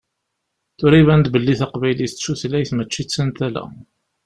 Tura iban-d belli taqbaylit d tutlayt mačči d tantala.